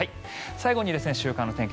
最後に週間の天気